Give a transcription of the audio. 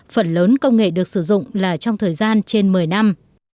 phần lớn công nghệ được sử dụng là trong thời gian trên một mươi năm